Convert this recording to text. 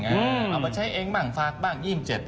การเอาไปใช้เองบางฝากบาง๒๗